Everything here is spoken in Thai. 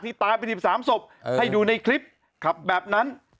ตายไป๑๓ศพให้ดูในคลิปขับแบบนั้น